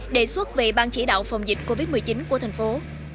đề xuất về bang chỉ đạo phòng dịch covid một mươi chín của thành phố